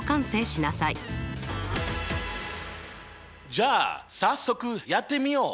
じゃあ早速やってみよう！